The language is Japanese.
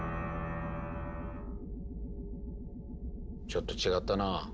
ちょっと違ったな。